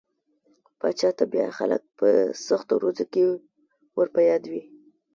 پاچا ته بيا خلک په سختو ورځو کې ور په ياد وي.